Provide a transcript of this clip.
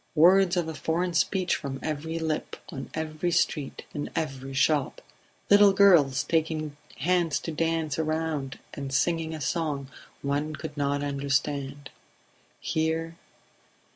Words of a foreign speech from every lip, on every street, in every shop ... Little girls taking hands to dance a round and singing a song one could not understand ... Here